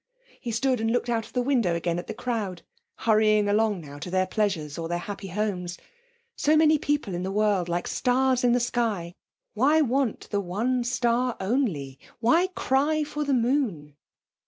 He stood and looked out of the window again at the crowd, hurrying along now to their pleasures or their happy homes. So many people in the world, like stars in the sky why want the one star only? Why cry for the moon?